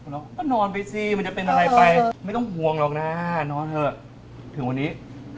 เราก็นอนไปสิมันจะเป็นอะไรไปไม่ต้องห่วงหรอกนะนอนเถอะถึงวันนี้